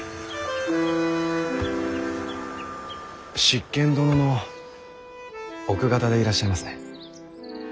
執権殿の奥方でいらっしゃいますね。